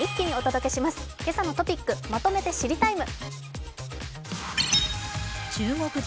「けさのトピックまとめて知りＴＩＭＥ，」。